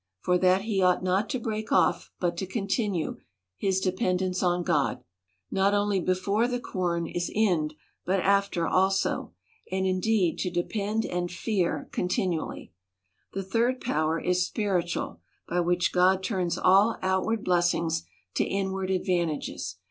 For that he ought not to break off, but to continue, his dependence on God ; not only before the corn is inned, but after also ; and, indeed, to depend and fear continu ally. — The third power is spiritual, by which God turns all outward blessings to inward advantages.